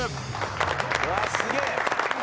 うわすげえ。